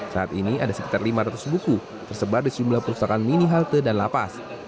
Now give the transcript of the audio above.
saat ini ada sekitar lima ratus buku tersebar di sejumlah perusahaan mini halte dan lapas